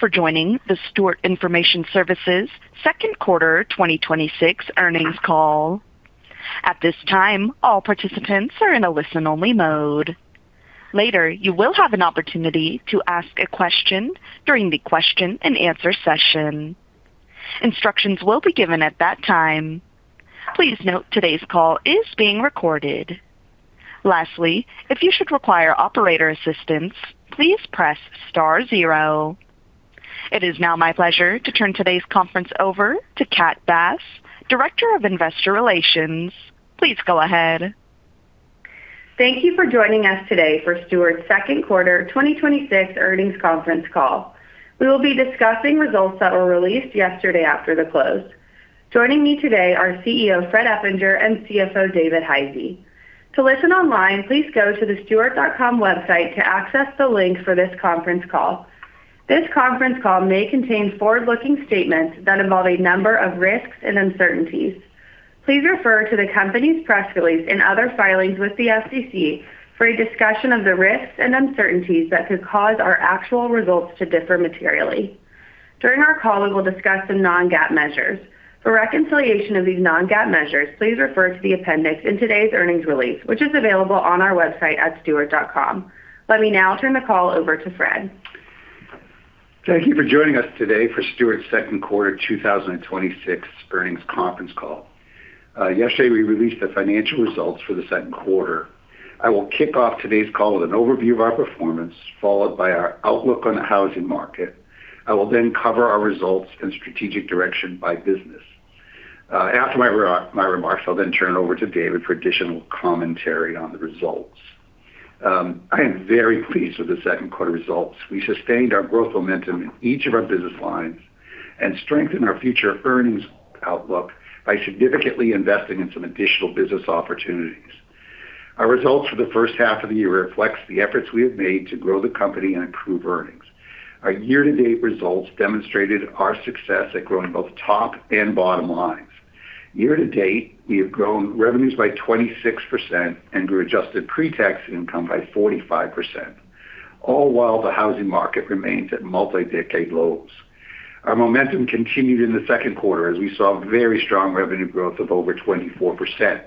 Thank you for joining the Stewart Information Services Second Quarter 2026 Earnings Call. At this time, all participants are in a listen-only mode. Later, you will have an opportunity to ask a question during the question and answer session. Instructions will be given at that time. Please note today's call is being recorded. Lastly, if you should require operator assistance, please press star zero. It is now my pleasure to turn today's conference over to Kat Bass, Director of Investor Relations. Please go ahead. Thank you for joining us today for Stewart's second quarter 2026 earnings conference call. We will be discussing results that were released yesterday after the close. Joining me today are CEO, Fred Eppinger, and CFO, David Hisey. To listen online, please go to the stewart.com website to access the link for this conference call. This conference call may contain forward-looking statements that involve a number of risks and uncertainties. Please refer to the company's press release and other filings with the SEC for a discussion of the risks and uncertainties that could cause our actual results to differ materially. During our call, we will discuss the non-GAAP measures. For reconciliation of these non-GAAP measures, please refer to the appendix in today's earnings release, which is available on our website at stewart.com. Let me now turn the call over to Fred. Thank you for joining us today for Stewart's second quarter 2026 earnings conference call. Yesterday we released the financial results for the second quarter. I will kick off today's call with an overview of our performance, followed by our outlook on the housing market. I will cover our results and strategic direction by business. After my remarks, I'll turn it over to David for additional commentary on the results. I am very pleased with the second quarter results. We sustained our growth momentum in each of our business lines and strengthened our future earnings outlook by significantly investing in some additional business opportunities. Our results for the first half of the year reflects the efforts we have made to grow the company and improve earnings. Our year-to-date results demonstrated our success at growing both top and bottom lines. Year-to-date, we have grown revenues by 26% grew adjusted pre-tax income by 45%, all while the housing market remains at multi-decade lows. Our momentum continued in the second quarter as we saw very strong revenue growth of over 24%.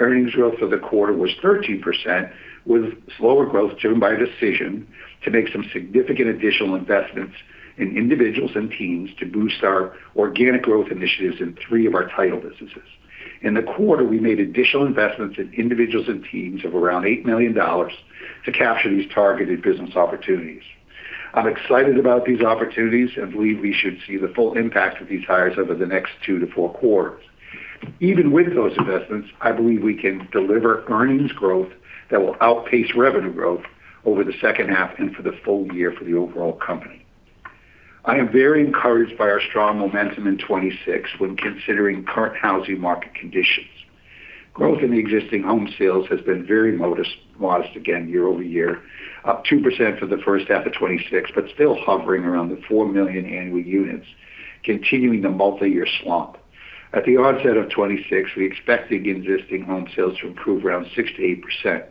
Earnings growth for the quarter was 30%, with slower growth driven by a decision to make some significant additional investments in individuals and teams to boost our organic growth initiatives in three of our title businesses. In the quarter, we made additional investments in individuals and teams of around $8 million to capture these targeted business opportunities. I'm excited about these opportunities and believe we should see the full impact of these hires over the next two to four quarters. Even with those investments, I believe we can deliver earnings growth that will outpace revenue growth over the second half and for the full year for the overall company. I am very encouraged by our strong momentum in 2026 when considering current housing market conditions. Growth in existing home sales has been very modest again year-over-year, up 2% for the first half of 2026, but still hovering around the $4 million annual units, continuing the multi-year slump. At the onset of 2026, we expected existing home sales to improve around 6%-8%.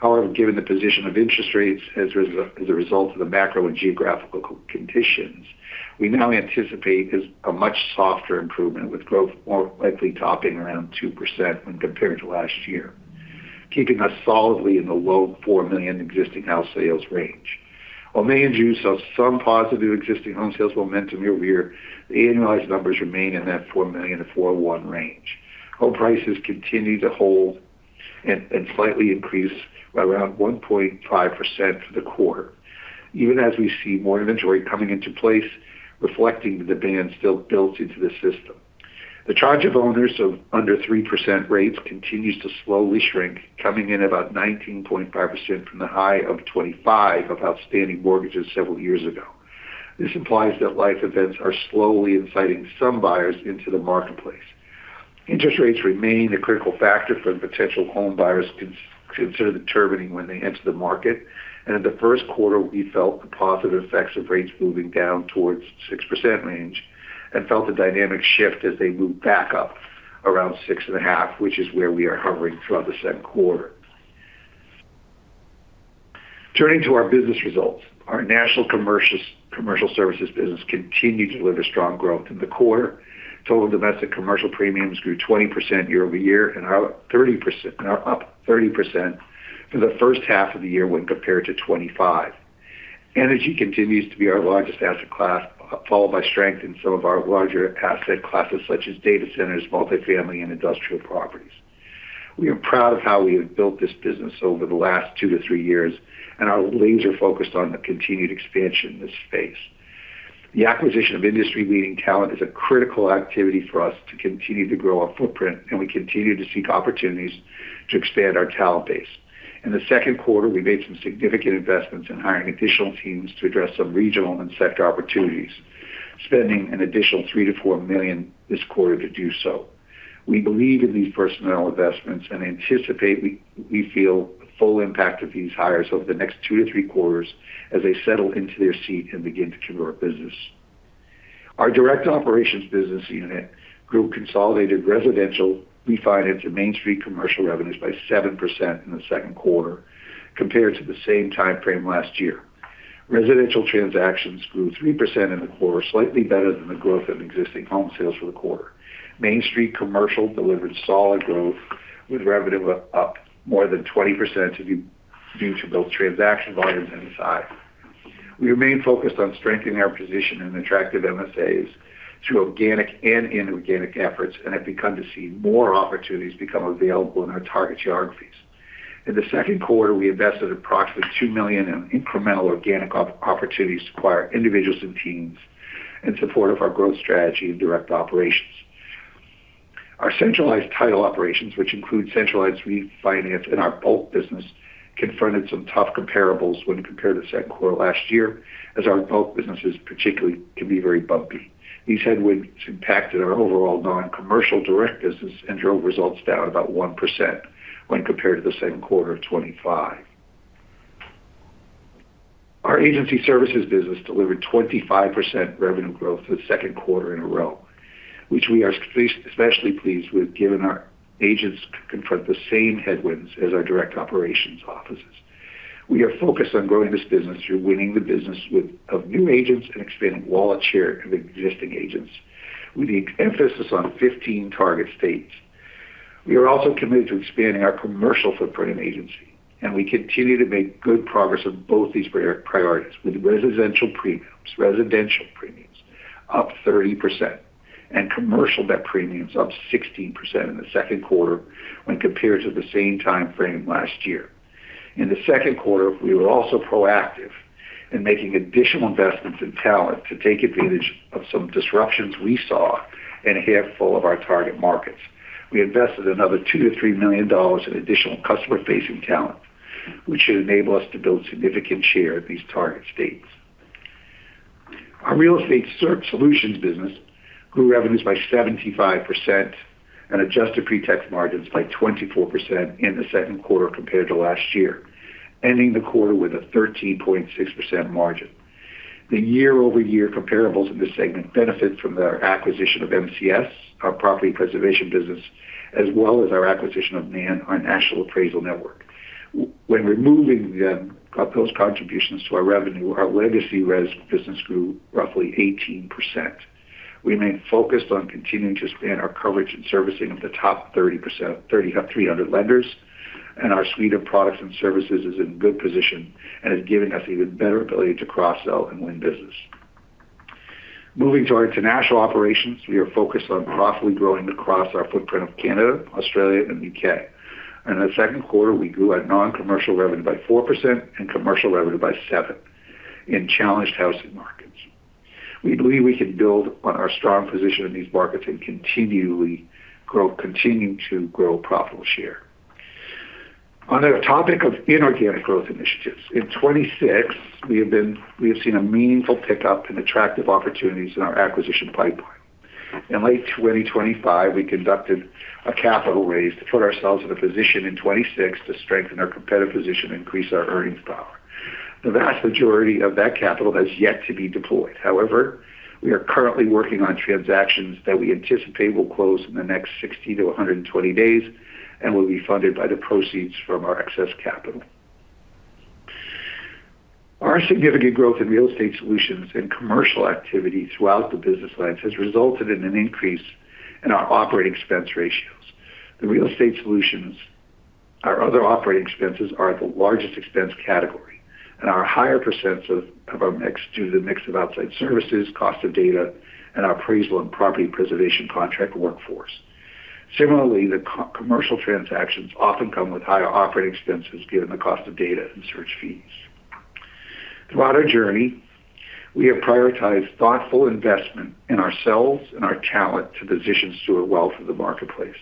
However, given the position of interest rates as a result of the macro and geographical conditions, we now anticipate a much softer improvement, with growth more likely topping around 2% when compared to last year, keeping us solidly in the low $4 million existing house sales range. While May and June saw some positive existing home sales momentum year-over-year, the annualized numbers remain in that 4 million-4.1 million range. Home prices continue to hold and slightly increase by around 1.5% for the quarter, even as we see more inventory coming into place, reflecting the demand still built into the system. The charge of owners of under 3% rates continues to slowly shrink, coming in about 19.5% from the high of 25% of outstanding mortgages several years ago. This implies that life events are slowly inciting some buyers into the marketplace. Interest rates remain a critical factor for potential home buyers considering determining when they enter the market, in the first quarter, we felt the positive effects of rates moving down towards 6% range and felt a dynamic shift as they moved back up around 6.5%, which is where we are hovering throughout the second quarter. Turning to our business results, our national commercial services business continued to deliver strong growth in the quarter. Total domestic commercial premiums grew 20% year-over-year and are up 30% for the first half of the year when compared to 2025. Energy continues to be our largest asset class, followed by strength in some of our larger asset classes such as data centers, multifamily, and industrial properties. We are proud of how we have built this business over the last two to three years, are laser focused on the continued expansion in this space. The acquisition of industry-leading talent is a critical activity for us to continue to grow our footprint, and we continue to seek opportunities to expand our talent base. In the second quarter, we made some significant investments in hiring additional teams to address some regional and sector opportunities, spending an additional $3 million-$4 million this quarter to do so. We believe in these personnel investments and anticipate we feel the full impact of these hires over the next two to three quarters as they settle into their seat and begin to contribute business. Our direct operations business unit grew consolidated residential refinance and Main Street commercial revenues by 7% in the second quarter compared to the same timeframe last year. Residential transactions grew 3% in the quarter, slightly better than the growth in existing home sales for the quarter. Main Street commercial delivered solid growth, with revenue up more than 20% due to both transaction volumes and size. We remain focused on strengthening our position in attractive MSAs through organic and inorganic efforts and have begun to see more opportunities become available in our target geographies. In the second quarter, we invested approximately $2 million in incremental organic opportunities to acquire individuals and teams in support of our growth strategy and direct operations. Our centralized title operations, which include centralized refinance and our bulk business, confronted some tough comparables when compared to Q2 last year, as our bulk businesses particularly can be very bumpy. These headwinds impacted our overall non-commercial direct business and drove results down about 1% when compared to the second quarter of 2025. Our agency services business delivered 25% revenue growth for the second quarter in a row, which we are especially pleased with given our agents confront the same headwinds as our direct operations offices. We are focused on growing this business through winning the business of new agents and expanding wallet share of existing agents, with the emphasis on 15 target states. We are also committed to expanding our commercial footprint in agency, and we continue to make good progress on both these priorities with residential premiums up 30% and commercial debt premiums up 16% in the second quarter when compared to the same timeframe last year. In the second quarter, we were also proactive in making additional investments in talent to take advantage of some disruptions we saw in a handful of our target markets. We invested another $2 million-$3 million in additional customer-facing talent, which should enable us to build significant share in these target states. Our real estate solutions business grew revenues by 75% and adjusted pretax margins by 24% in the second quarter compared to last year, ending the quarter with a 13.6% margin. The year-over-year comparables in this segment benefit from their acquisition of MCS, our property preservation business, as well as our acquisition of NAN, our Nationwide Appraisal Network. When removing those contributions to our revenue, our legacy res business grew roughly 18%. We remain focused on continuing to expand our coverage and servicing of the top 300 lenders, and our suite of products and services is in good position and is giving us even better ability to cross-sell and win business. Moving to our international operations. We are focused on profitably growing across our footprint of Canada, Australia, and the U.K. In the second quarter, we grew our non-commercial revenue by 4% and commercial revenue by 7% in challenged housing markets. We believe we can build on our strong position in these markets and continue to grow profitable share. On the topic of inorganic growth initiatives, in 2026, we have seen a meaningful pickup in attractive opportunities in our acquisition pipeline. In late 2025, we conducted a capital raise to put ourselves in a position in 2026 to strengthen our competitive position and increase our earnings power. The vast majority of that capital has yet to be deployed. However, we are currently working on transactions that we anticipate will close in the next 60-120 days and will be funded by the proceeds from our excess capital. Our significant growth in real estate solutions and commercial activity throughout the business lines has resulted in an increase in our operating expense ratios. The real estate solutions, our other operating expenses are the largest expense category and are higher percent of our mix due to the mix of outside services, cost of data, and our appraisal and property preservation contract workforce. Similarly, the commercial transactions often come with higher operating expenses given the cost of data and search fees. Throughout our journey, we have prioritized thoughtful investment in ourselves and our talent to position Stewart well for the marketplace.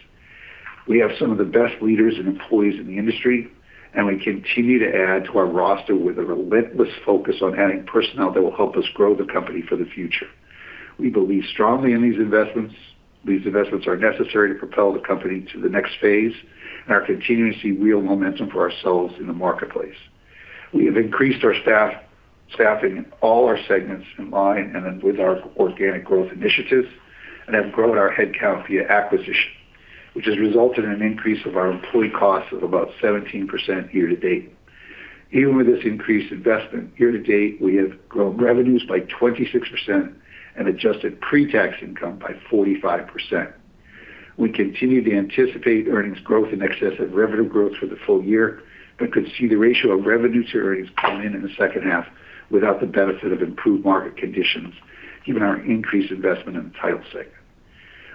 We have some of the best leaders and employees in the industry, and we continue to add to our roster with a relentless focus on adding personnel that will help us grow the company for the future. We believe strongly in these investments. These investments are necessary to propel the company to the next phase and are continuing to see real momentum for ourselves in the marketplace. We have increased our staffing in all our segments in line with our organic growth initiatives and have grown our headcount via acquisition, which has resulted in an increase of our employee costs of about 17% year-to-date. Even with this increased investment, year-to-date, we have grown revenues by 26% and adjusted pre-tax income by 45%. We continue to anticipate earnings growth in excess of revenue growth for the full year, but could see the ratio of revenue to earnings come in in the second half without the benefit of improved market conditions, given our increased investment in the title segment.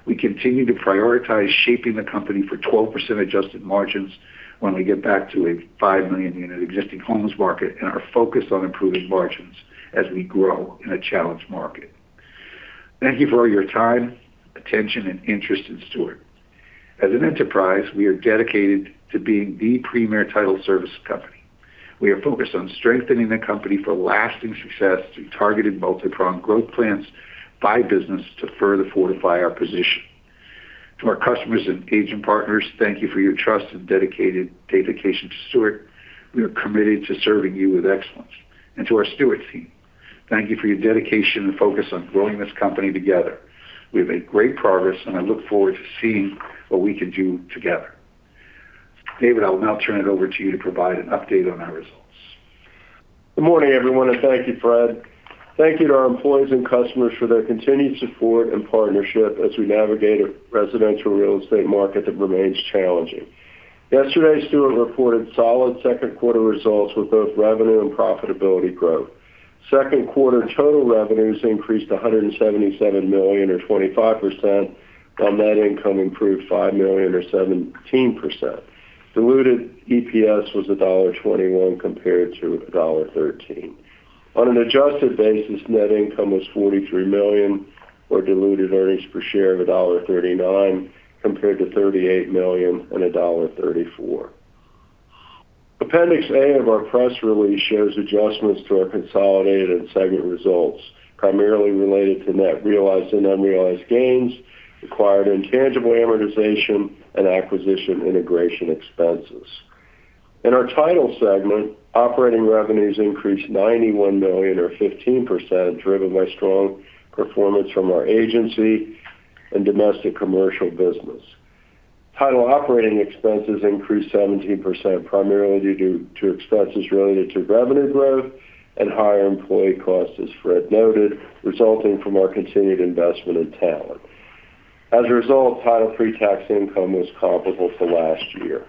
We continue to prioritize shaping the company for 12% adjusted margins when we get back to a 5 million unit existing homes market and are focused on improving margins as we grow in a challenged market. Thank you for all your time, attention, and interest in Stewart. As an enterprise, we are dedicated to being the premier title service company. We are focused on strengthening the company for lasting success through targeted multipronged growth plans by business to further fortify our position. To our customers and agent partners, thank you for your trust and dedication to Stewart. We are committed to serving you with excellence. To our Stewart team, thank you for your dedication and focus on growing this company together. We've made great progress, and I look forward to seeing what we can do together. David, I will now turn it over to you to provide an update on our results. Good morning, everyone. Thank you, Fred. Thank you to our employees and customers for their continued support and partnership as we navigate a residential real estate market that remains challenging. Yesterday, Stewart reported solid second quarter results with both revenue and profitability growth. Second quarter total revenues increased to $177 million or 25%, while net income improved $5 million or 17%. Diluted EPS was $1.21 compared to $1.13. On an adjusted basis, net income was $43 million or diluted earnings per share of $1.39, compared to $38 million and $1.34. Appendix A of our press release shows adjustments to our consolidated and segment results, primarily related to net realized and unrealized gains, acquired intangible amortization, and acquisition integration expenses. In our title segment, operating revenues increased $91 million or 15%, driven by strong performance from our agency and domestic commercial business. Title operating expenses increased 17%, primarily due to expenses related to revenue growth and higher employee costs, as Fred noted, resulting from our continued investment in talent. As a result, title pre-tax income was comparable to last year.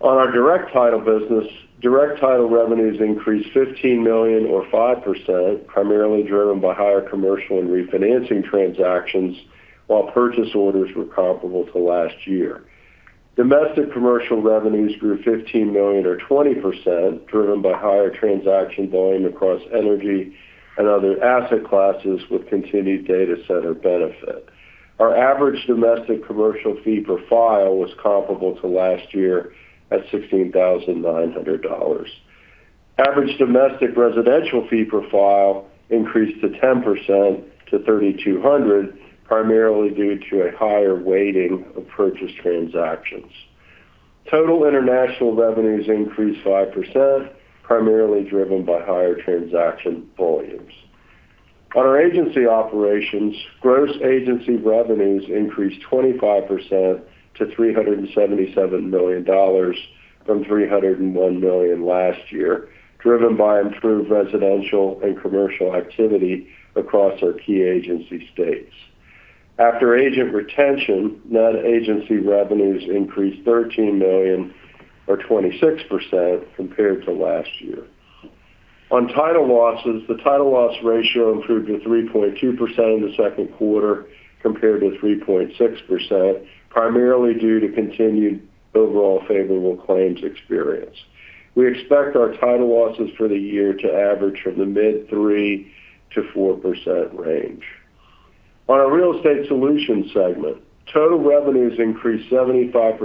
On our direct title business, direct title revenues increased $15 million or 5%, primarily driven by higher commercial and refinancing transactions, while purchase orders were comparable to last year. Domestic commercial revenues grew $15 million or 20%, driven by higher transaction volume across energy and other asset classes with continued data center benefit. Our average domestic commercial fee per file was comparable to last year at $16,900. Average domestic residential fee per file increased 10% to $3,200, primarily due to a higher weighting of purchase transactions. Total international revenues increased 5%, primarily driven by higher transaction volumes. On our agency operations, gross agency revenues increased 25% to $377 million from $301 million last year, driven by improved residential and commercial activity across our key agency states. After agent retention, net agency revenues increased $13 million or 26% compared to last year. On title losses, the title loss ratio improved to 3.2% in the second quarter compared to 3.6%, primarily due to continued overall favorable claims experience. We expect our title losses for the year to average from the mid 3%-4% range. On our real estate solutions segment, total revenues increased 75%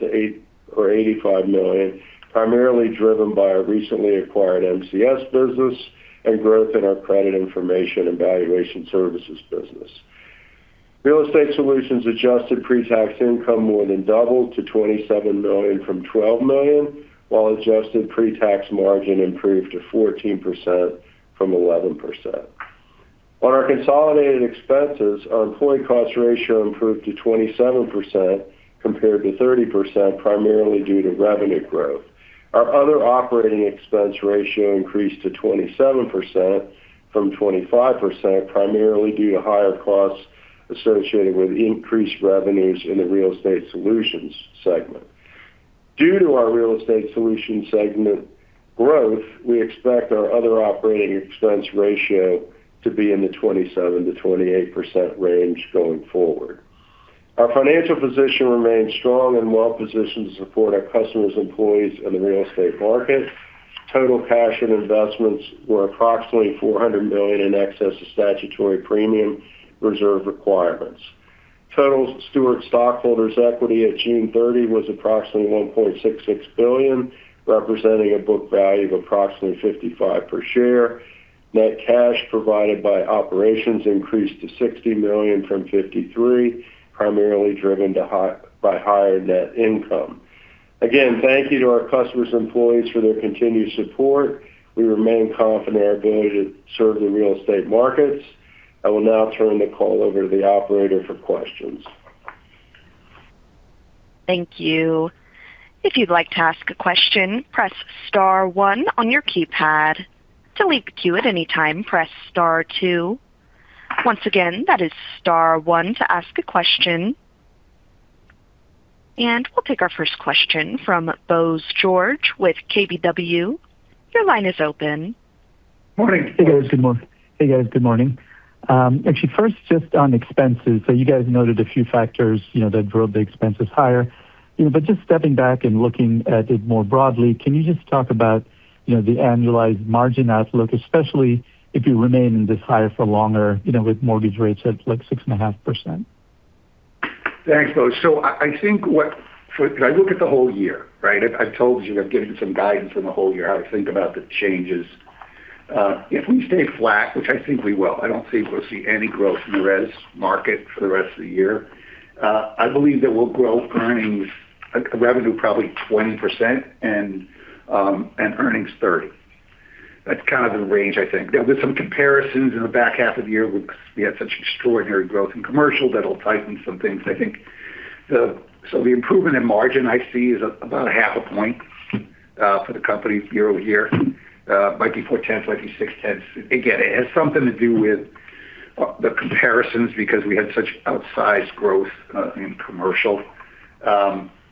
to $85 million, primarily driven by our recently acquired Mortgage Contracting Services business and growth in our credit information and valuation services business. Real Estate Solutions adjusted pre-tax income more than doubled to $27 million from $12 million, while adjusted pre-tax margin improved to 14% from 11%. On our consolidated expenses, our employee cost ratio improved to 27% compared to 30%, primarily due to revenue growth. Our other operating expense ratio increased to 27% from 25%, primarily due to higher costs associated with increased revenues in the real estate solutions segment. Due to our real estate solutions segment growth, we expect our other operating expense ratio to be in the 27%-28% range going forward. Our financial position remains strong and well-positioned to support our customers, employees, and the real estate market. Total cash and investments were approximately $400 million in excess of statutory premium reserve requirements. Total Stewart stockholders' equity at June 30 was approximately $1.66 billion, representing a book value of approximately $55 per share. Net cash provided by operations increased to $60 million from $53 million, primarily driven by higher net income. Thank you to our customers and employees for their continued support. We remain confident in our ability to serve the real estate markets. I will now turn the call over to the operator for questions. Thank you. If you'd like to ask a question, press star one on your keypad. To leave the queue at any time, press star two. Once again, that is star one to ask a question. We'll take our first question from Bose George with KBW. Your line is open. Morning. Hey, guys. Good morning. Actually, first, just on expenses. You guys noted a few factors that drove the expenses higher. Just stepping back and looking at it more broadly, can you just talk about the annualized margin outlook, especially if you remain in this hire for longer, with mortgage rates at 6.5%? Thanks, Bose. I look at the whole year, right? I've told you I've given some guidance on the whole year, how to think about the changes. If we stay flat, which I think we will, I don't think we'll see any growth in the res market for the rest of the year. I believe that we'll grow revenue probably 20% and earnings 30%. That's kind of the range, I think. There'll be some comparisons in the back half of the year because we had such extraordinary growth in commercial that'll tighten some things, I think. The improvement in margin I see is about a half a point for the company year-over-year. Might be four tenths, might be 6/10. Again, it has something to do with the comparisons because we had such outsized growth in commercial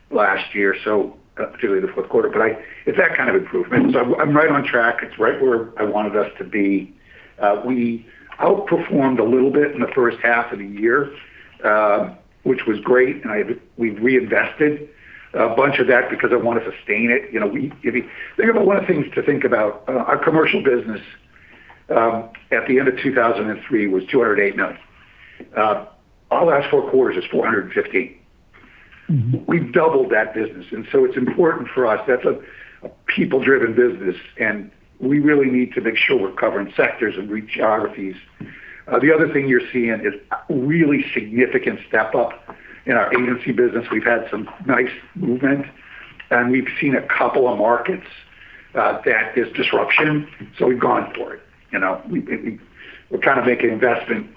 last year, particularly the fourth quarter. It's that kind of improvement. I'm right on track. It's right where I wanted us to be. We outperformed a little bit in the first half of the year, which was great, and we've reinvested a bunch of that because I want to sustain it. There are a lot of things to think about. Our commercial business at the end of 2023 was $208 million. Our last four quarters is $450 million. We've doubled that business. It's important for us. That's a people-driven business, and we really need to make sure we're covering sectors and geographies. The other thing you're seeing is a really significant step up in our agency business. We've had some nice movement, and we've seen a couple of markets that there's disruption, so we've gone for it. We're trying to make an investment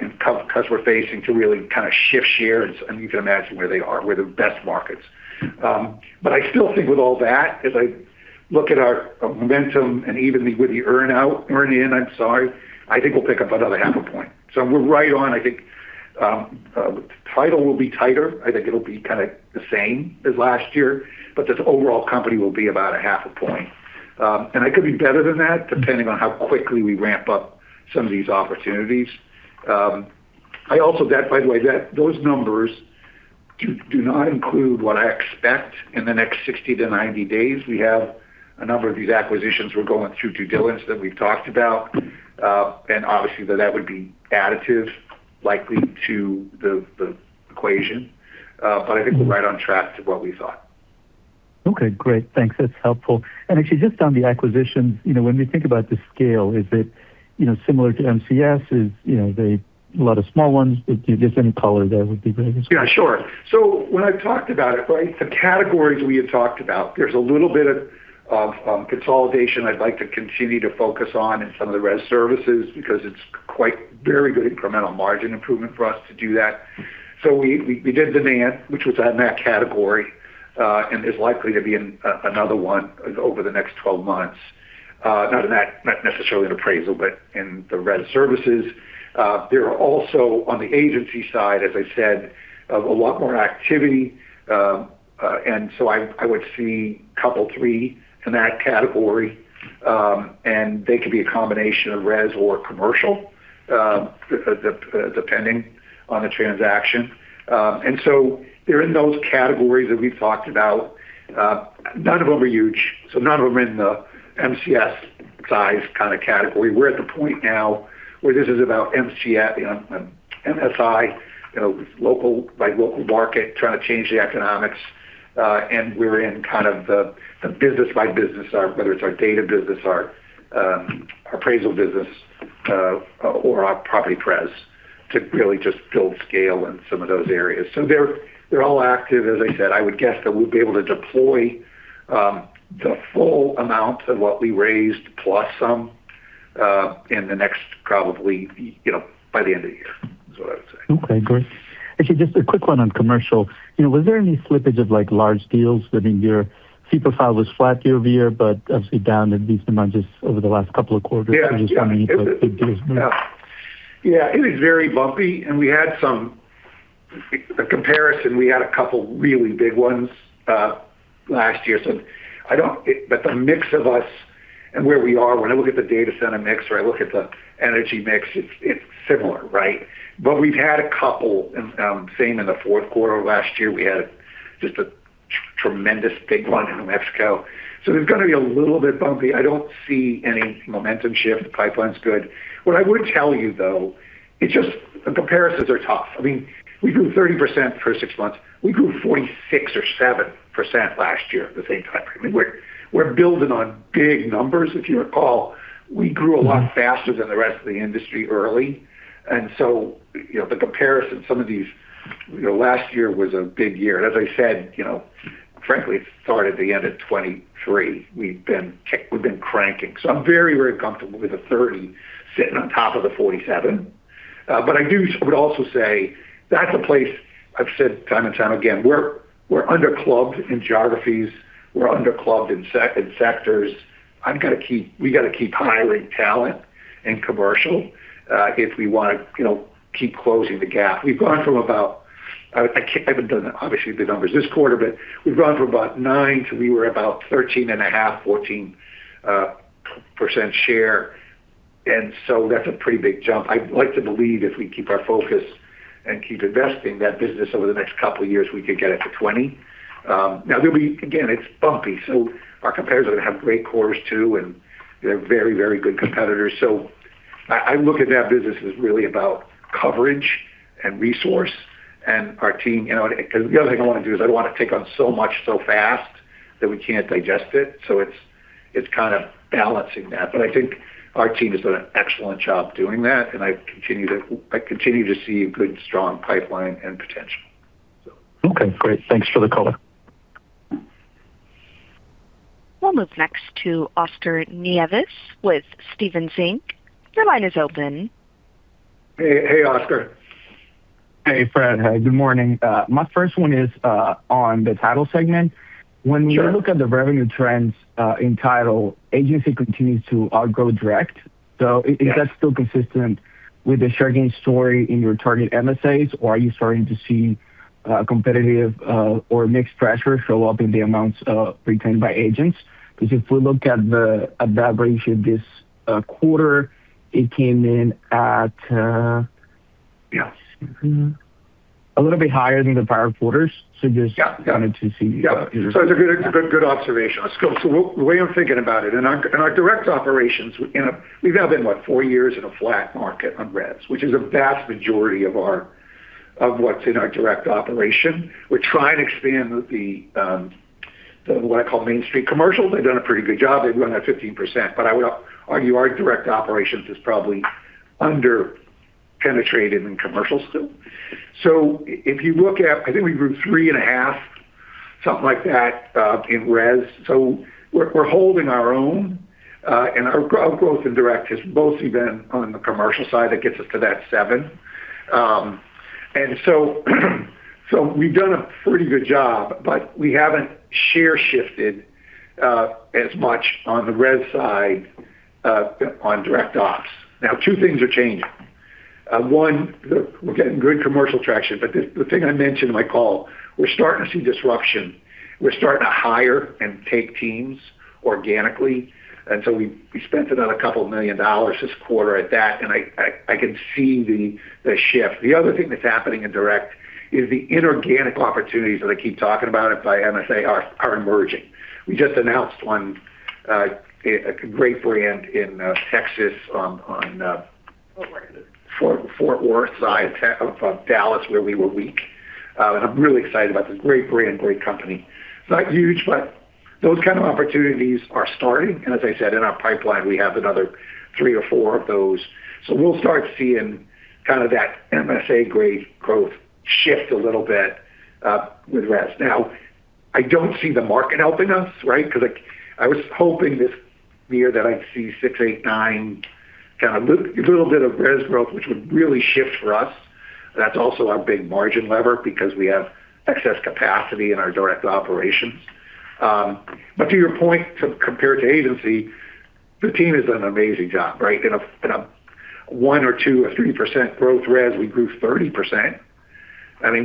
in customer-facing to really kind of shift shares, and you can imagine where they are. We're the best markets. I still think with all that, as I look at our momentum and even with the earn in, I think we'll pick up another half a point. We're right on. I think title will be tighter. I think it'll be kind of the same as last year. This overall company will be about a half a point. It could be better than that, depending on how quickly we ramp up some of these opportunities. By the way, those numbers do not include what I expect in the next 60-90 days. We have a number of these acquisitions we're going through due diligence that we've talked about. Obviously that would be additive likely to the equation. I think we're right on track to what we thought. Okay, great. Thanks. That's helpful. Actually, just on the acquisitions, when we think about the scale, is it similar to MCS? Is it a lot of small ones? If you give some color there, that would be great. Yeah, sure. When I've talked about it, the categories we have talked about, there's a little bit of consolidation I'd like to continue to focus on in some of the res services because it's very good incremental margin improvement for us to do that. We did Demand, which was in that category, and there's likely to be another one over the next 12 months. Not necessarily in appraisal, but in the res services. There are also, on the agency side, as I said, a lot more activity. I would see couple three in that category. And they could be a combination of res or commercial, depending on the transaction. They're in those categories that we've talked about. None of them are huge, so none of them are in the MCS size kind of category. We're at the point now where this is about [MSA], by local market, trying to change the economics. We're in kind of the business by business, whether it's our data business, our appraisal business, or our property res, to really just build scale in some of those areas. They're all active. As I said, I would guess that we'll be able to deploy the full amount of what we raised plus some by the end of the year, is what I would say. Okay, great. Actually, just a quick one on commercial. Was there any slippage of large deals? I mean, your fee profile was flat year-over-year, but obviously down in these amounts just over the last couple of quarters. Yeah. Are you just going to need the big deals? Yeah, it was very bumpy. We had some comparison. We had a couple really big ones last year. The mix of us and where we are, when I look at the data center mix or I look at the energy mix, it's similar, right? We've had a couple, same in the fourth quarter of last year. We had just a tremendous big one in New Mexico. There's going to be a little bit bumpy. I don't see any momentum shift. The pipeline's good. What I would tell you, though, the comparisons are tough. We grew 30% for six months. We grew 46% or 47% last year at the same time period. We're building on big numbers. If you recall, we grew a lot faster than the rest of the industry early. The comparison, last year was a big year. As I said, frankly, it started at the end of 2023. We've been cranking. I'm very, very comfortable with the 30% sitting on top of the 47%. I would also say that's a place I've said time and time again, we're under-clubbed in geographies. We're under-clubbed in sectors. We got to keep hiring talent in commercial if we want to keep closing the gap. I haven't done, obviously, the numbers this quarter, but we've gone from about 9% to we were about 13.5%, 14% share. That's a pretty big jump. I'd like to believe if we keep our focus and keep investing that business over the next couple of years, we could get it to 20%. Now, again, it's bumpy. Our competitors are going to have great quarters, too, and they're very, very good competitors. I look at that business as really about coverage and resource and our team. The other thing I don't want to do is I don't want to take on so much so fast that we can't digest it. It's kind of balancing that. I think our team has done an excellent job doing that, and I continue to see a good, strong pipeline and potential. Okay, great. Thanks for the color. We'll move next to Oscar Nieves with Stephens Inc. Your line is open. Hey, Oscar. Hey, Fred. Hey, good morning. My first one is on the title segment. Sure. When we look at the revenue trends in title, agency continues to outgrow direct. Is that still consistent with the sharing story in your target MSAs, or are you starting to see competitive or mixed pressure show up in the amounts retained by agents? Because if we look at the average of this quarter, it came in at a little bit higher than the prior quarters. Yes a little bit higher than the prior quarters. So just- Yeah wanted to see- Yeah. It's a good observation. The way I'm thinking about it, in our direct operations, we've now been, what, four years in a flat market on res, which is a vast majority of what's in our direct operation. We're trying to expand what I call main street commercial. They've done a pretty good job. They've grown at 15%, but I would argue our direct operations is probably under-penetrated in commercial still. If you look at, I think we grew three and a half, something like that, in res. We're holding our own, and our growth in direct has mostly been on the commercial side. That gets us to that seven. We've done a pretty good job, but we haven't share shifted as much on the res side on direct ops. Now, two things are changing. We're getting good commercial traction, the thing I mentioned in my call, we're starting to see disruption. We're starting to hire and take teams organically, we spent about a couple million dollars this quarter at that, I can see the shift. The other thing that's happening in direct is the inorganic opportunities that I keep talking about by MSA are emerging. We just announced one, a great brand in Texas on Fort Worth. Fort Worth side of Dallas, where we were weak. I'm really excited about this great brand, great company. It's not huge, those kind of opportunities are starting, as I said, in our pipeline, we have another three or four of those. We'll start seeing kind of that MSA-grade growth shift a little bit with res. I don't see the market helping us because I was hoping this year that I'd see six, eight, nine, kind of a little bit of res growth, which would really shift for us. That's also our big margin lever because we have excess capacity in our direct operations. To your point, compared to agency, the team has done an amazing job. In a 1% or 2% or 3% growth res, we grew 30%.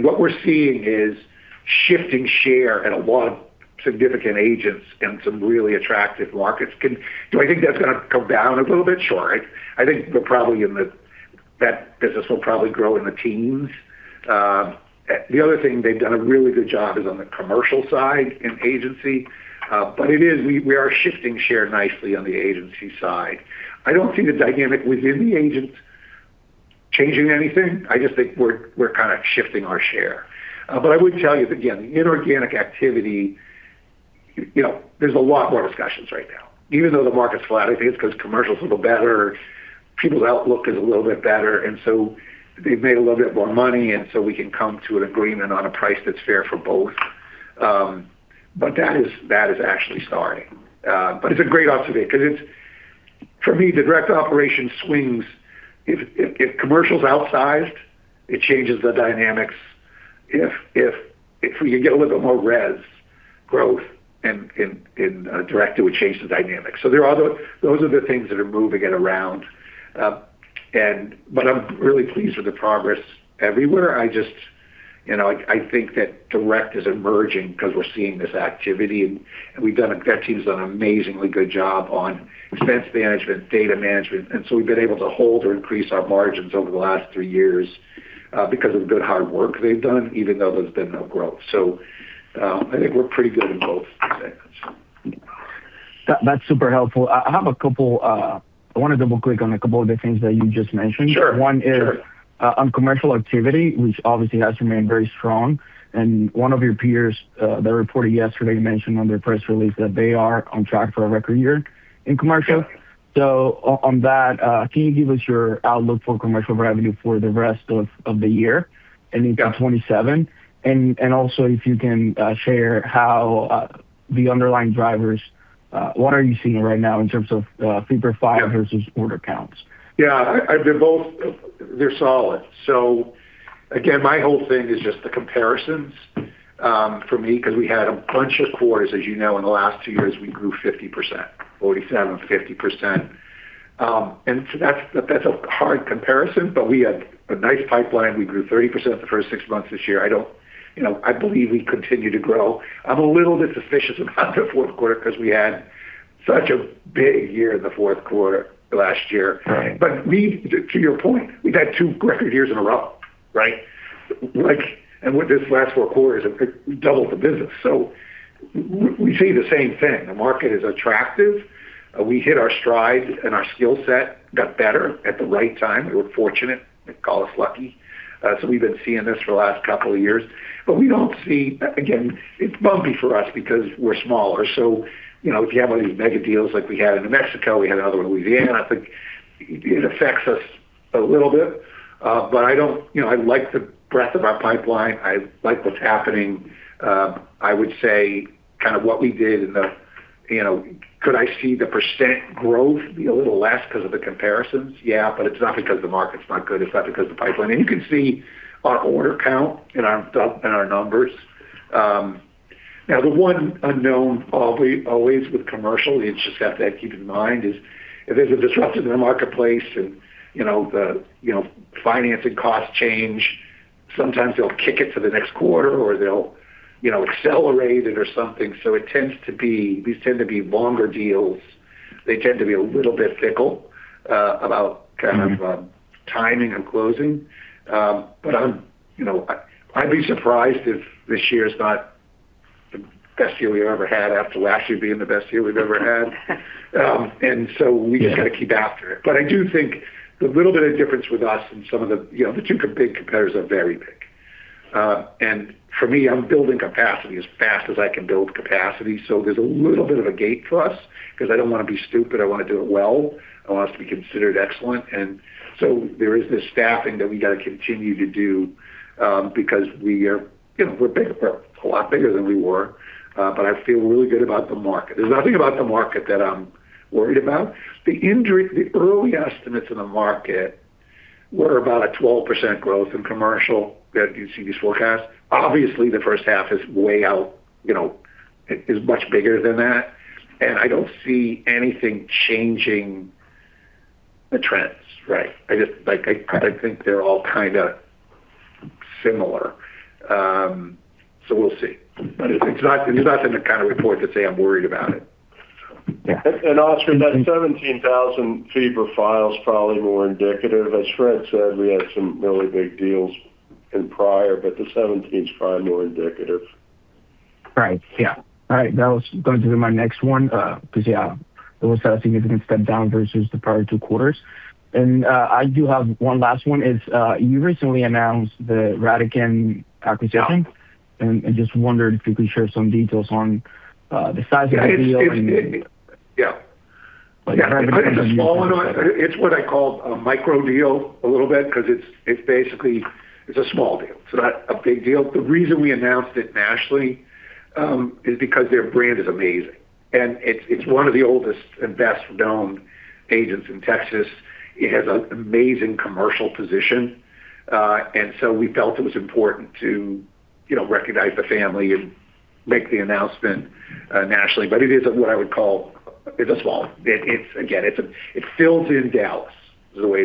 What we're seeing is shifting share at a lot of significant agents in some really attractive markets. Do I think that's going to come down a little bit? Sure. I think that business will probably grow in the teens. The other thing they've done a really good job is on the commercial side in agency. We are shifting share nicely on the agency side. I don't see the dynamic within the agents changing anything. I just think we're kind of shifting our share. I would tell you that, again, the inorganic activity, there's a lot more discussions right now. Even though the market's flat, I think it's because commercial is a little better, people's outlook is a little bit better, they've made a little bit more money, we can come to an agreement on a price that's fair for both. That is actually starting. It's a great observation because for me, the direct operation swings. If commercial is outsized, it changes the dynamics. If we can get a little bit more res growth in direct, it would change the dynamics. Those are the things that are moving it around. I'm really pleased with the progress everywhere. I think that direct is emerging because we're seeing this activity, that team's done an amazingly good job on expense management, data management, we've been able to hold or increase our margins over the last three years because of the good hard work they've done, even though there's been no growth. I think we're pretty good in both segments. That's super helpful. I want to double-click on a couple of the things that you just mentioned. Sure. One is on commercial activity, which obviously has remained very strong, and one of your peers that reported yesterday mentioned on their press release that they are on track for a record year in commercial. Sure. On that, can you give us your outlook for commercial revenue for the rest of the year and into 2027? Yeah. Also if you can share how the underlying drivers, what are you seeing right now in terms of fee per file versus order counts? Yeah. They're solid. Again, my whole thing is just the comparisons for me because we had a bunch of quarters, as you know, in the last two years, we grew 50%, 47%, 50%. That's a hard comparison, but we had a nice pipeline. We grew 30% the first six months this year. I believe we continue to grow. I'm a little bit suspicious about the fourth quarter because we had such a big year in the fourth quarter last year. Right. To your point, we've had two record years in a row. With this last four quarters, we doubled the business. We see the same thing. The market is attractive. We hit our stride, and our skillset got better at the right time. We're fortunate. They call us lucky. We've been seeing this for the last couple of years. We don't see, again, it's bumpy for us because we're smaller. If you have one of these mega deals like we had in New Mexico, we had another one in Louisiana, I think it affects us a little bit. I like the breadth of our pipeline. I like what's happening. I would say what we did in the. Could I see the percent growth be a little less because of the comparisons? Yeah, it's not because the market's not good. It's not because of the pipeline. You can see our order count and our numbers. Now the one unknown always with commercial, you just have to keep in mind is, if there's a disruption in the marketplace and the financing costs change, sometimes they'll kick it to the next quarter or they'll accelerate it or something. These tend to be longer deals. They tend to be a little bit fickle about timing and closing. I'd be surprised if this year's not the best year we've ever had after last year being the best year we've ever had. We just got to keep after it. I do think the little bit of difference with us and some of the big competitors are very big. For me, I'm building capacity as fast as I can build capacity, so there's a little bit of a gate for us because I don't want to be stupid. I want to do it well. I want us to be considered excellent. There is this staffing that we got to continue to do, because we're a lot bigger than we were. I feel really good about the market. There's nothing about the market that I'm worried about. The early estimates in the market were about a 12% growth in commercial that you see these forecasts. Obviously, the first half is much bigger than that, I don't see anything changing the trends. I think they're all kind of similar. We'll see. It's nothing to report to say I'm worried about it. Yeah. Oscar, that $17,000 fee per file is probably more indicative. As Fred said, we had some really big deals in prior, but the $17,000 is probably more indicative. Right. Yeah. All right. That was going to be my next one, because, yeah, there was a significant step-down versus the prior two quarters. I do have one last one is, you recently announced the Rattikin Title acquisition. Just wondered if you could share some details on the size of the deal. Yeah. It's a small one. It's what I call a micro deal a little bit because it's basically a small deal. It's not a big deal. The reason we announced it nationally, is because their brand is amazing, and it's one of the oldest and best-known agents in Texas. It has an amazing commercial position. We felt it was important to recognize the family and make the announcement nationally. It is what I would call a small one. Again, it fills in Dallas is the way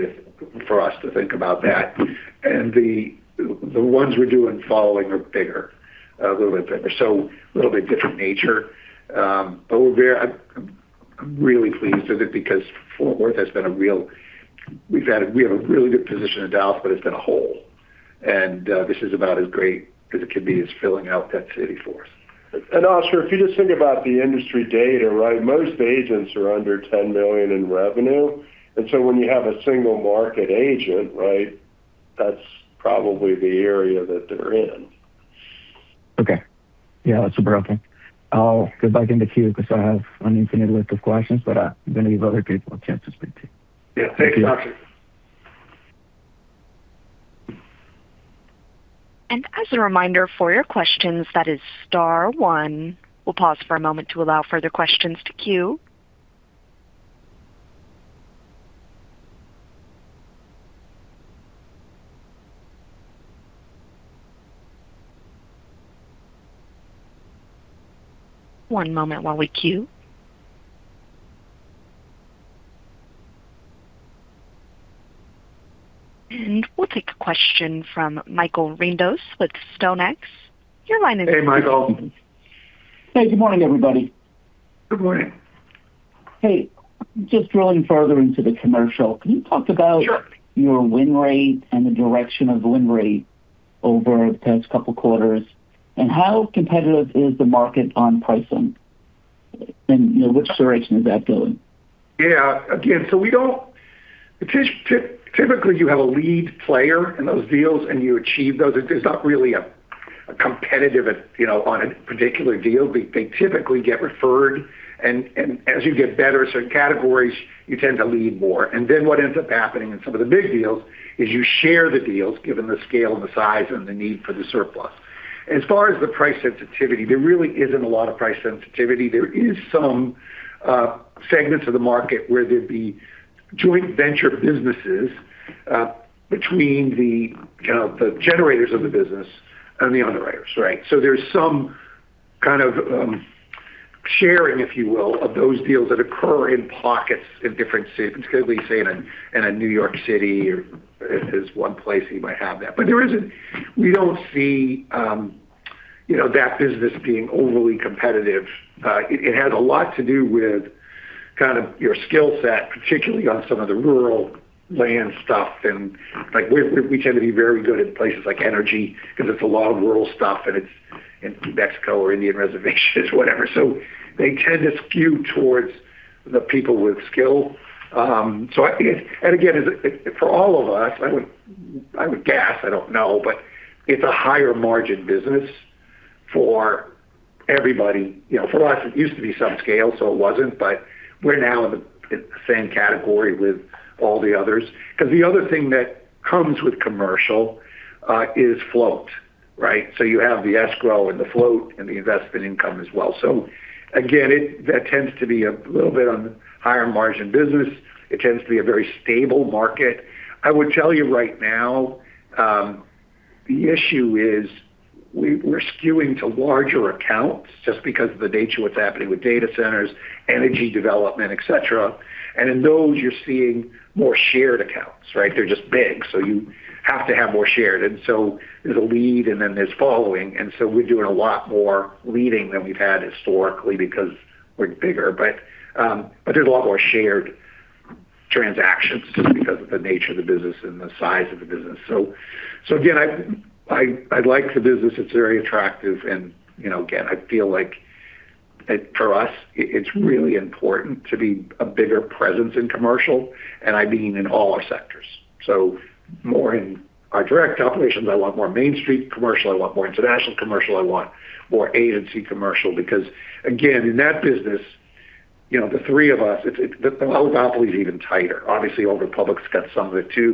for us to think about that. The ones we're doing following are bigger, a little bit bigger. A little bit different nature. I'm really pleased with it because we have a really good position in Dallas, but it's been a hole. This is about as great as it can be. It's filling out that city for us. Oscar, if you just think about the industry data, most agents are under $10 million in revenue. When you have a single market agent, that's probably the area that they're in. Okay. Yeah, that's super helpful. I'll go back in the queue because I have an infinite list of questions, but I'm going to give other people a chance to speak too. Yeah. Thank you, Oscar. As a reminder, for your questions, that is star one. We'll pause for a moment to allow further questions to queue. One moment while we queue. We'll take a question from Michael Rindos with StoneX. Your line is open. Hey, Michael. Hey, good morning, everybody. Good morning. Hey, just drilling further into the commercial. Can you talk about. Sure your win rate and the direction of win rate over the past couple of quarters? How competitive is the market on pricing? Which direction is that going? Yeah. Again, typically, you have a lead player in those deals, you achieve those. There's not really a competitive on a particular deal. They typically get referred and as you get better at certain categories, you tend to lead more. What ends up happening in some of the big deals is you share the deals, given the scale and the size and the need for the surplus. As far as the price sensitivity, there really isn't a lot of price sensitivity. There is some segments of the market where there'd be joint venture businesses between the generators of the business and the underwriters. There's some kind of sharing, if you will, of those deals that occur in pockets in different cities. Could we say in a New York City or is one place you might have that. We don't see that business being overly competitive. It has a lot to do with kind of your skill set, particularly on some of the rural land stuff. We tend to be very good in places like energy because it's a lot of rural stuff, and it's in New Mexico or Indian reservations, whatever. They tend to skew towards the people with skill. I think, and again, for all of us, I would guess, I don't know, but it's a higher margin business for everybody. For us, it used to be sub-scale, so it wasn't, but we're now in the same category with all the others. The other thing that comes with commercial is float, right? You have the escrow and the float and the investment income as well. Again, that tends to be a little bit on the higher margin business. It tends to be a very stable market. I would tell you right now, the issue is we're skewing to larger accounts just because of the nature of what's happening with data centers, energy development, et cetera. In those, you're seeing more shared accounts, right? They're just big, so you have to have more shared. There's a lead and then there's following, we're doing a lot more leading than we've had historically because we're bigger. There's a lot more shared transactions just because of the nature of the business and the size of the business. Again, I like the business. It's very attractive and, again, I feel like for us, it's really important to be a bigger presence in commercial, and I mean in all our sectors. More in our direct operations. I want more Main Street commercial, I want more international commercial, I want more agency commercial. Again, in that business, the three of us, the oligopoly is even tighter. Obviously, Old Republic's got some of it too,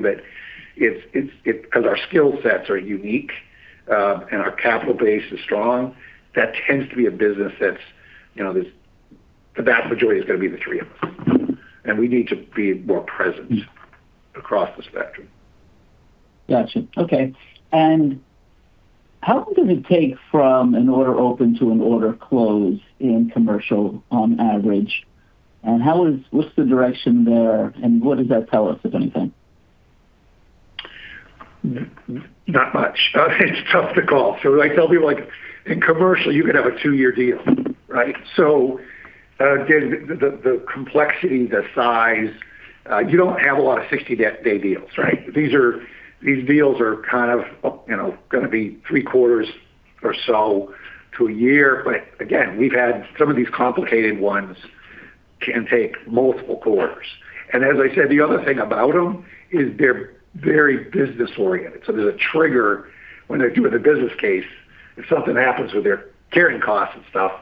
because our skill sets are unique and our capital base is strong, that tends to be a business that the battle for share is going to be the three of us. We need to be more present across the spectrum. Got you. Okay. How long does it take from an order open to an order close in commercial on average, and what's the direction there, and what does that tell us, if anything? Not much. It's tough to call. I tell people, in commercial, you could have a two-year deal, right? Again, the complexity, the size, you don't have a lot of 60-day deals, right? These deals are kind of going to be 3/4 or so to a year. Again, we've had some of these complicated ones can take multiple quarters. As I said, the other thing about them is they're very business-oriented. There's a trigger when they're doing the business case, if something happens with their carrying costs and stuff,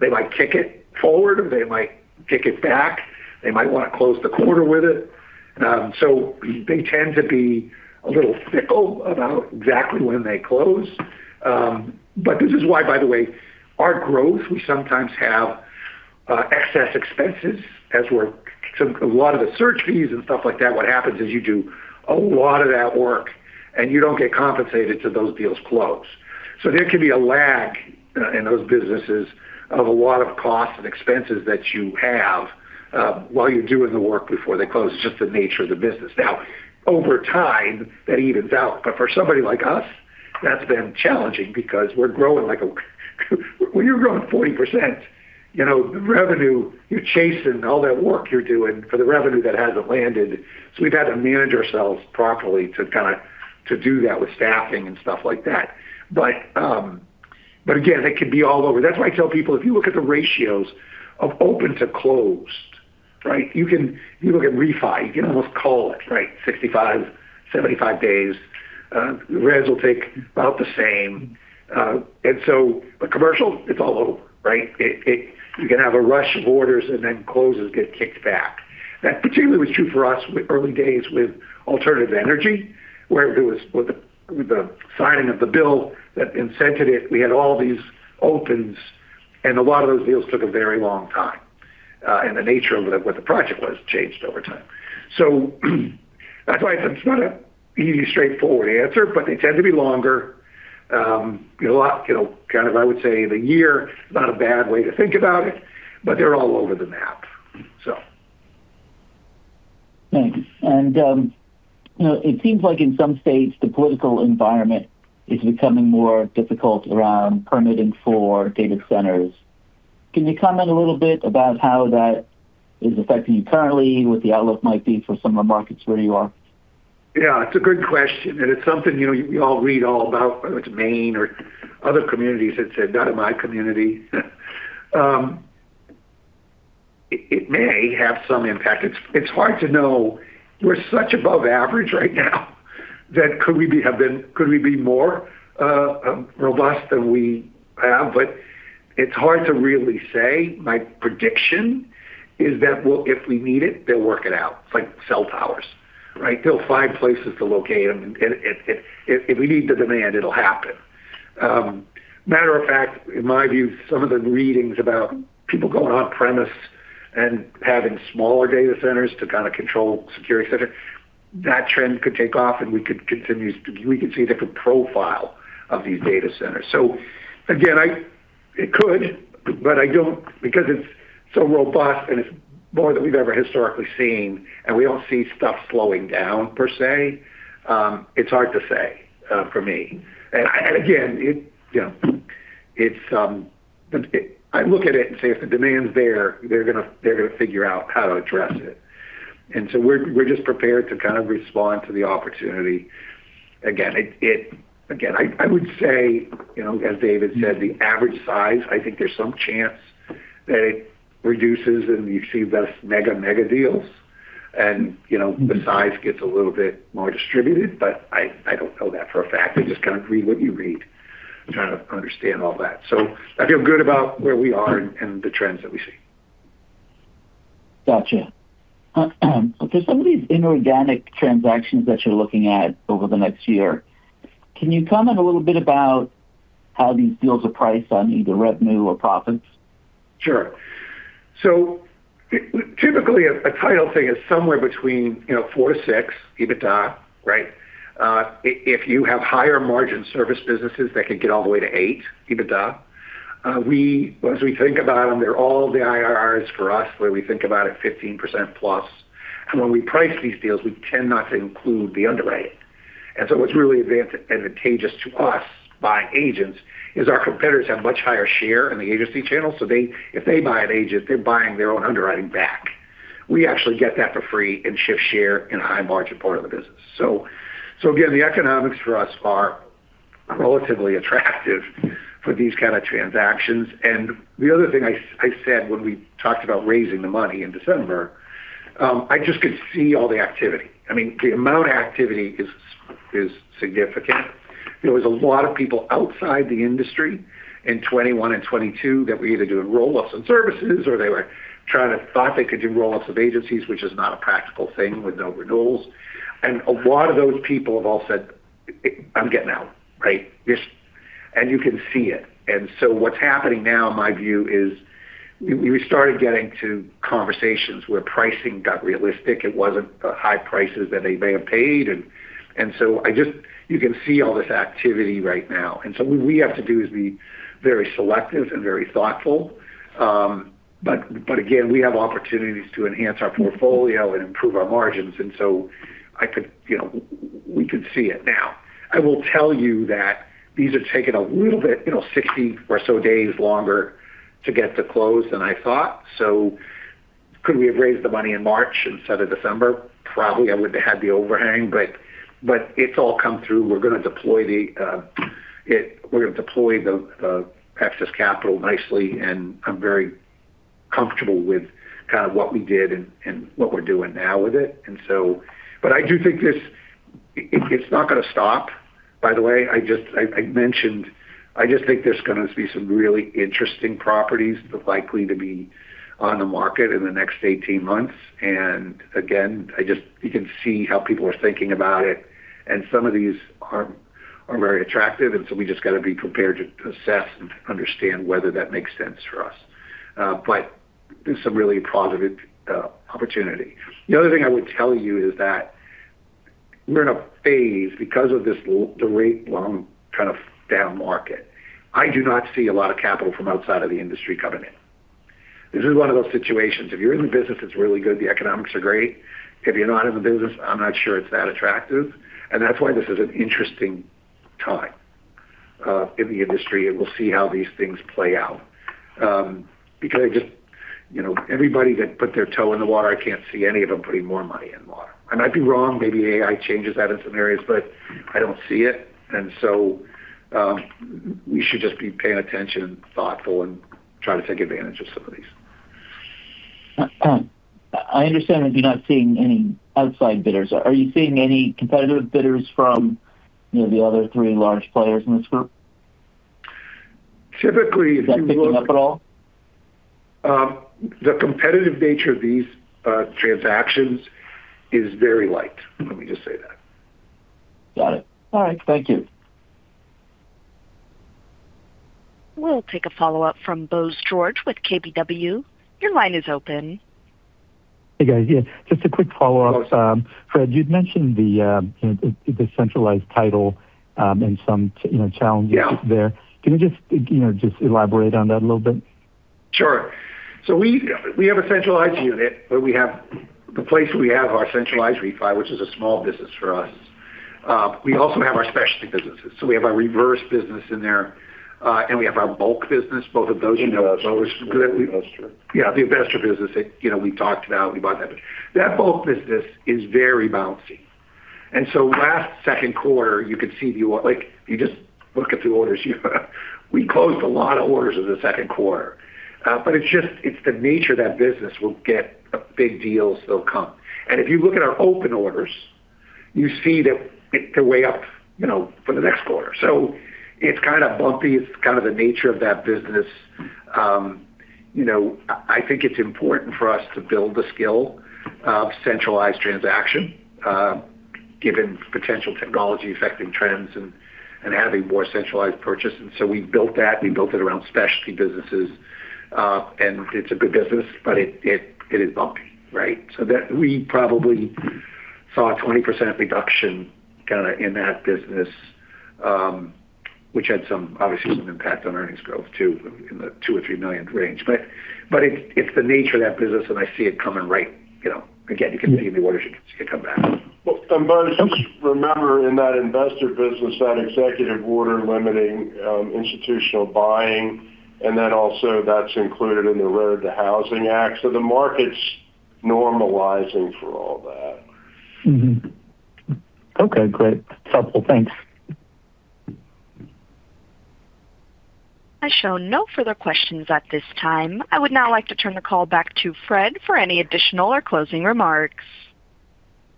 they might kick it forward or they might kick it back. They might want to close the quarter with it. They tend to be a little fickle about exactly when they close. This is why, by the way, our growth, we sometimes have excess expenses as we're. A lot of the search fees and stuff like that, what happens is you do a lot of that work, and you don't get compensated till those deals close. There can be a lag in those businesses of a lot of costs and expenses that you have, while you're doing the work before they close. It's just the nature of the business. Now, over time, that evens out, but for somebody like us, that's been challenging because we're growing like a. When you're growing 40%, the revenue you're chasing, all that work you're doing for the revenue that hasn't landed. We've had to manage ourselves properly to do that with staffing and stuff like that. Again, it could be all over. That's why I tell people, if you look at the ratios of open to closed, right? You look at refi, you can almost call it, right? 65-75 days. Res will take about the same. Commercial, it's all over, right? You can have a rush of orders and then closes get kicked back. That particularly was true for us early days with alternative energy, where it was with the signing of the bill that incented it. We had all these opens, and a lot of those deals took a very long time. The nature of what the project was changed over time. That's why it's not an easy, straightforward answer, but they tend to be longer. I would say the year is not a bad way to think about it, but they're all over the map. Thanks. It seems like in some states, the political environment is becoming more difficult around permitting for data centers. Can you comment a little bit about how that is affecting you currently, what the outlook might be for some of the markets where you are? Yeah, it's a good question. It's something we all read all about, whether it's Maine or other communities that said, "Not in my community." It may have some impact. It's hard to know. We're such above average right now that could we be more robust than we have? It's hard to really say. My prediction is that if we need it, they'll work it out, like cell towers, right? They'll find places to locate them, and if we meet the demand, it'll happen. Matter of fact, in my view, some of the readings about people going on-premise and having smaller data centers to kind of control security, et cetera, that trend could take off, and we could see a different profile of these data centers. Again, it could, but because it's so robust and it's more than we've ever historically seen, and we don't see stuff slowing down per se, it's hard to say for me. Again, you know, I look at it and say if the demand's there, they're going to figure out how to address it. We're just prepared to kind of respond to the opportunity. Again, I would say, as David said, the average size, I think there's some chance that it reduces and you see less mega deals. The size gets a little bit more distributed, but I don't know that for a fact. I just kind of read what you read, trying to understand all that. I feel good about where we are and the trends that we see. Got you. For some of these inorganic transactions that you're looking at over the next year, can you comment a little bit about how these deals are priced on either revenue or profits? Sure. Typically, a title thing is somewhere between 4%-6% EBITDA, right? If you have higher margin service businesses, that could get all the way to 8% EBITDA. As we think about them, they're all the IRRs for us, where we think about it 15%+. When we price these deals, we tend not to include the underwriting. What's really advantageous to us buying agents is our competitors have much higher share in the agency channel. If they buy an agent, they're buying their own underwriting back. We actually get that for free and shift share in a high margin part of the business. Again, the economics for us are relatively attractive for these kind of transactions. The other thing I said when we talked about raising the money in December, I just could see all the activity. The amount of activity is significant. There was a lot of people outside the industry in 2021 and 2022 that were either doing roll-ups in services or they thought they could do roll-ups of agencies, which is not a practical thing with no renewals. A lot of those people have all said, "I'm getting out." Right. You can see it. What's happening now, my view is we started getting to conversations where pricing got realistic. It wasn't the high prices that they may have paid. You can see all this activity right now. What we have to do is be very selective and very thoughtful. Again, we have opportunities to enhance our portfolio and improve our margins. We can see it now. I will tell you that these are taking a little bit, 60 or so days longer to get to close than I thought. Could we have raised the money in March instead of December? Probably. I would've had the overhang, it's all come through. We're going to deploy the excess capital nicely, and I'm very comfortable with kind of what we did and what we're doing now with it. I do think it's not going to stop. By the way, I just think there's going to be some really interesting properties likely to be on the market in the next 18 months. Again, you can see how people are thinking about it, and some of these are very attractive. We just got to be prepared to assess and understand whether that makes sense for us. There's some really positive opportunity. The other thing I would tell you is that we're in a phase because of this rate long kind of down market. I do not see a lot of capital from outside of the industry coming in. This is one of those situations. If you're in the business, it's really good. The economics are great. If you're not in the business, I'm not sure it's that attractive. That's why this is an interesting time in the industry, and we'll see how these things play out. Everybody that put their toe in the water, I can't see any of them putting more money in the water. I might be wrong. Maybe AI changes that in some areas, but I don't see it. We should just be paying attention and thoughtful and try to take advantage of some of these. I understand that you're not seeing any outside bidders. Are you seeing any competitive bidders from the other three large players in this group? Typically, if you Is that picking up at all? The competitive nature of these transactions is very light. Let me just say that. Got it. All right. Thank you. We'll take a follow-up from Bose George with KBW. Your line is open. Hey, guys. Yeah, just a quick follow-up. Fred, you'd mentioned the centralized title and some challenges there. Yeah. Can you just elaborate on that a little bit? Sure. We have a centralized unit where we have the place we have our centralized refi, which is a small business for us. We also have our specialty businesses. We have our reverse business in there, and we have our bulk business. Both of those, you know, Bose. Investor. Yeah, the investor business that we talked about, we bought that business. That bulk business is very bouncy. Last second quarter, if you just look at the orders, we closed a lot of orders in the second quarter. It's the nature of that business where big deals, they'll come. If you look at our open orders, you see that they're way up for the next quarter. It's kind of bumpy. It's kind of the nature of that business. I think it's important for us to build the skill of centralized transaction given potential technology affecting trends and having more centralized purchases. We built that, we built it around specialty businesses. It's a good business, but it is bumpy, right? We probably saw a 20% reduction kind of in that business, which had obviously some impact on earnings growth, too, in the $2 million-$3 million range. It's the nature of that business, and I see it coming right. Again, you can see the orders come back. Bose, just remember in that investor business, that executive order limiting institutional buying, and then also that's included in the Road to Housing Act. The market's normalizing for all that. Okay, great. Helpful. Thanks. I show no further questions at this time. I would now like to turn the call back to Fred for any additional or closing remarks.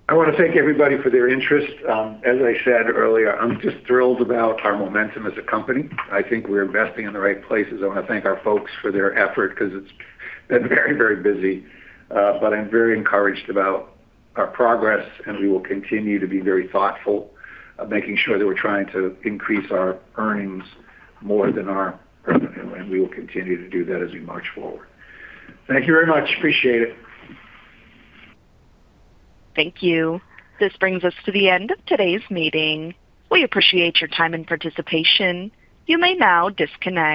I want to thank everybody for their interest. As I said earlier, I'm just thrilled about our momentum as a company. I think we're investing in the right places. I want to thank our folks for their effort because it's been very busy. I'm very encouraged about our progress, and we will continue to be very thoughtful of making sure that we're trying to increase our earnings more than our revenue, and we will continue to do that as we march forward. Thank you very much. Appreciate it. Thank you. This brings us to the end of today's meeting. We appreciate your time and participation. You may now disconnect.